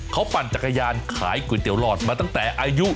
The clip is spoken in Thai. เขาปั่นจักรยานขายก๋วยเตี๋ยหลอดมาตั้งแต่อายุ